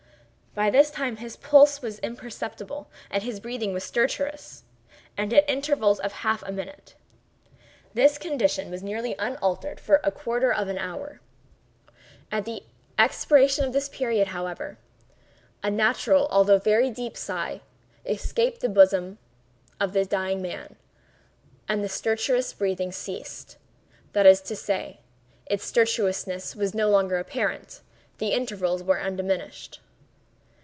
By this time his pulse was imperceptible and his breathing was stertorous, and at intervals of half a minute. This condition was nearly unaltered for a quarter of an hour. At the expiration of this period, however, a natural although a very deep sigh escaped the bosom of the dying man, and the stertorous breathing ceased—that is to say, its stertorousness was no longer apparent; the intervals were undiminished.